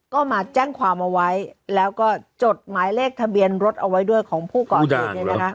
ก็มาแจ้งความเอาไว้แล้วก็จดหมายเลขทะเบียนรถเอาไว้ด้วยของผู้ก่อเหตุ